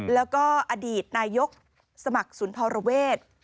แล้วก็อดีตนายกสมัครสุนทรเวศ